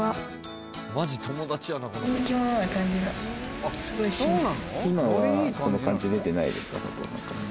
人気者な感じがすごいします